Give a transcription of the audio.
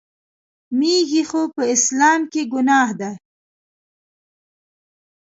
میږي خو په اسلام کې ګناه ده.